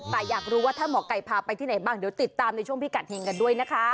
แต่อยากรู้ว่าถ้าหมอไก่พาไปที่ไหนบ้างเดี๋ยวติดตามในช่วงพิกัดเฮงกันด้วยนะคะ